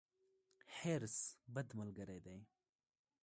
حرص، بد ملګری دی.